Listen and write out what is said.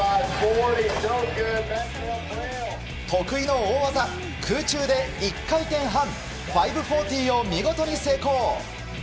得意の大技、空中で１回転半５４０を見事に成功！